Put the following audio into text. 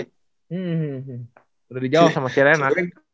udah di jawab sama sirena